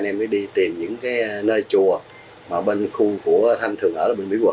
anh em mới đi tìm những cái nơi chùa mà bên khu của thanh thường ở bên mỹ hồ hưng à ừ ừ